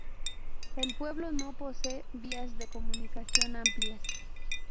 El pueblo no posee vías de comunicación amplias.